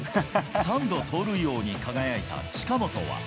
３度盗塁王に輝いた近本は。